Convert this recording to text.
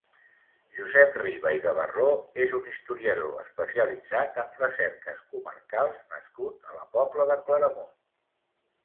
Josep Riba i Gabarró és un historiador, especialitzat en recerques comarcals nascut a la Pobla de Claramunt.